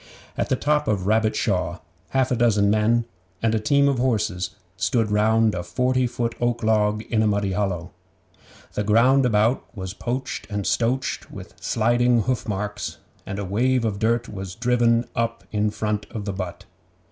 At the top of Rabbit Shaw half a dozen men and a team of horses stood round a forty foot oak log in a muddy hollow. The ground about was poached and stoached with sliding hoofmarks, and a wave of dirt was driven up in front of the butt.